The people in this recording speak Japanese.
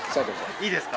いいですか。